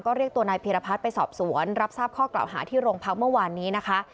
ก็เรียกตัวนายพีรพัฒน์ไปสอบสวนรับทราบข้อกล่าวหาที่โรงพักเมื่อวานนี้นะคะ